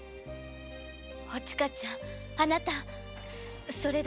おちかちゃんあなた！